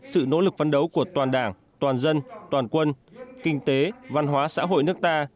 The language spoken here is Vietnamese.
sự nỗ lực phấn đấu của toàn đảng toàn dân toàn quân kinh tế văn hóa xã hội nước ta